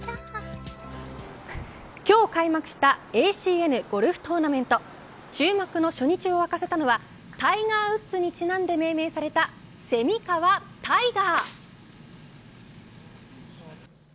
今日開幕したＡＣＮゴルフトーナメント注目の初日を沸かせたのはタイガー・ウッズにちなんで命名された蝉川泰果。